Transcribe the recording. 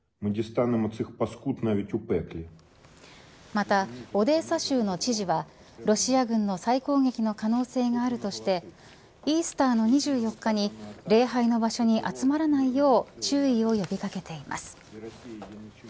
また、オデーサ州の知事はロシア軍の再攻撃の可能性があるとしてイースターの２４日に礼拝の場所に集まらないよう注意を呼び掛けています。